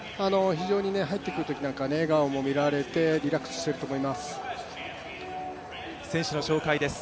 非常に入ってくるときなんかは笑顔なんかも見られてリラックスしていると思います。